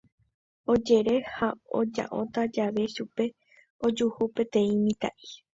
Ojere ha oja'óta jave chupe ojuhu peteĩ mitã'i.